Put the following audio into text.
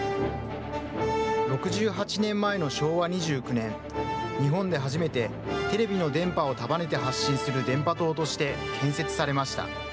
６８年前の昭和２９年、日本で初めて、テレビの電波を束ねて発信する電波塔として、建設されました。